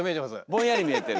ぼんやり見えてる？